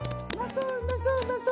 そううまそううまそう。